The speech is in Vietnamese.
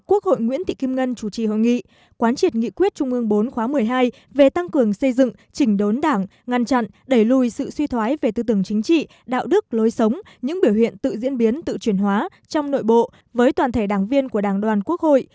quốc hội nguyễn thị kim ngân chủ trì hội nghị quán triệt nghị quyết trung ương bốn khóa một mươi hai về tăng cường xây dựng chỉnh đốn đảng ngăn chặn đẩy lùi sự suy thoái về tư tưởng chính trị đạo đức lối sống những biểu hiện tự diễn biến tự chuyển hóa trong nội bộ với toàn thể đảng viên của đảng đoàn quốc hội